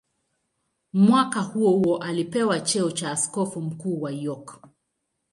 Mwaka huohuo alipewa cheo cha askofu mkuu wa York.